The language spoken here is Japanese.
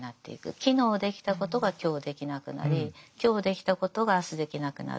昨日できたことが今日できなくなり今日できたことが明日できなくなる。